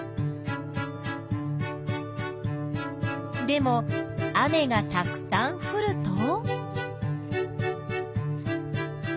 でも雨がたくさんふると。